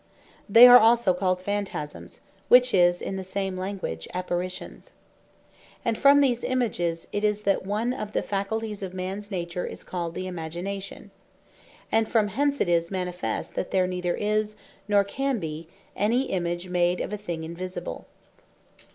They are also called PHANTASMES, which is in the same language, Apparitions. And from these Images it is that one of the faculties of mans Nature, is called the Imagination. And from hence it is manifest, that there neither is, nor can bee any Image made of a thing Invisible.